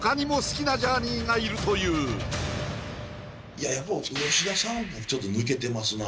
いるというやっぱ吉田さんはちょっと抜けてますな